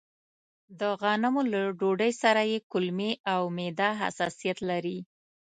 د غنمو له ډوډۍ سره يې کولمې او معده حساسيت لري.